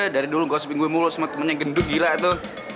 dari dulu gosipin gue mulu sama temen yang gendut gila itu